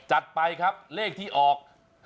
จัดไปครับเลขที่ออก